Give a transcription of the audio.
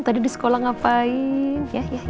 tadi di sekolah ngapain